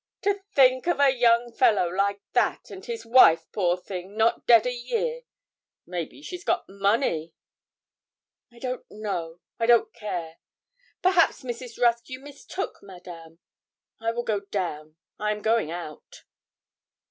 'To think of a young fellow like that, and his wife, poor thing, not dead a year maybe she's got money?' 'I don't know I don't care perhaps, Mrs. Rusk, you mistook Madame. I will go down; I am going out.'